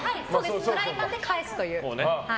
フライパンで返すという。